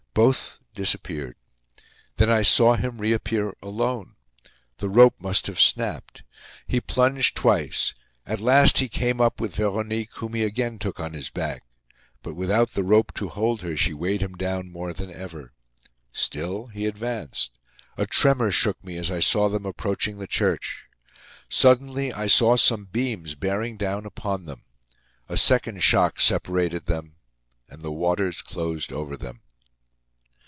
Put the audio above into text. Both disappeared. Then I saw him reappear alone. The rope must have snapped. He plunged twice. At last, he came up with Veronique, whom he again took on his back. But without the rope to hold her, she weighed him down more than ever. Still, he advanced. A tremor shook me as I saw them approaching the church. Suddenly, I saw some beams bearing down upon them. A second shock separated them and the waters closed over them.